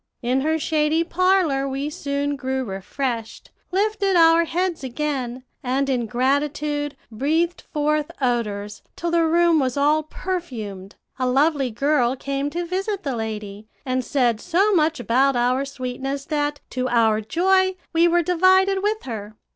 In her shady parlor we soon grew refreshed, lifted our heads again, and in gratitude breathed forth odors, till the room was all perfumed. A lovely girl came to visit the lady, and said so much about our sweetness, that, to our joy, we were divided with her.